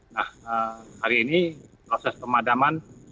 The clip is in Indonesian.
nah hari ini proses pemadaman